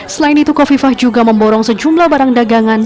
selain itu kofifah juga memborong sejumlah barang dagangan